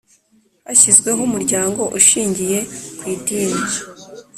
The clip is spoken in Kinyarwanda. Hashyizweho umuryango ushingiye ku Idini